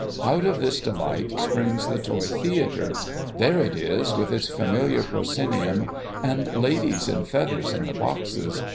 Out of this delight springs the toy theatre, — there it is, with its familiar proscenium, and ladies in feathers, in the boxes